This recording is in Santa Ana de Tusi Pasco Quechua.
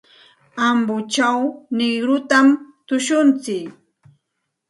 Ambochaw Negritotami tushuntsik.